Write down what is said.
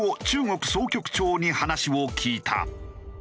中国総局長に話を聞いた。